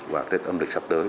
và tết âm lịch sắp tới